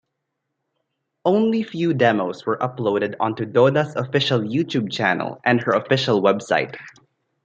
Only few demos were uploaded onto Doda's official YouTube channel and her official website.